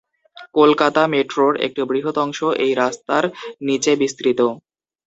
কলকাতা মেট্রোর একটি বৃহৎ অংশ এই রাস্তার নিচে বিস্তৃত।